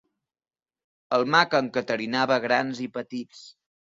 El mag encaterinava grans i petits.